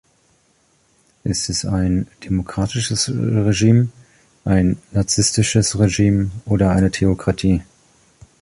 Ist es ein demokratisches Regime, ein laizistisches Regime oder eine Theokratie?